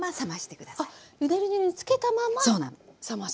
ゆで汁につけたまま冷ます？